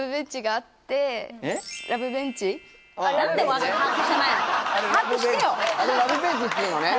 あれラブベンチっていうのね